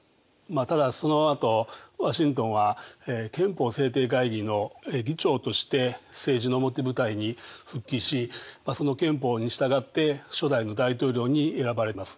ただそのあとワシントンは憲法制定会議の議長として政治の表舞台に復帰しその憲法に従って初代の大統領に選ばれます。